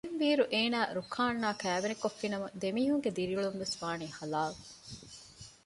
އެހެންވީއިރު އޭނާ ރުކާންއާ ކައިވެނިކޮށްފިނަމަ ދެމީހުންގެ ދިރިއުޅުންވެސް ވާނީ ހަލާއް